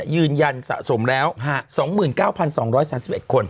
ยืนยันสะสมแล้ว๒๙๒๓๑คน